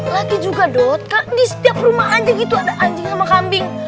lagi juga dot kak di setiap rumah aja gitu ada anjing sama kambing